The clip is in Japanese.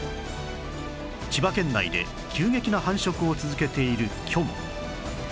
千葉県内で急激な繁殖を続けているキョン